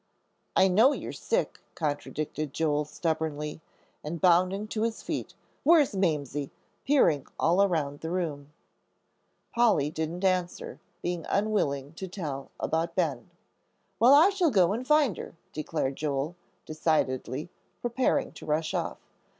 "I know you're sick," contradicted Joel, stubbornly; and bounding to his feet, "Where's Mamsie?" peering all around the room. Polly didn't answer, being unwilling to tell about Ben. "Well, I shall go and find her," declared Joel, decidedly, preparing to rush off.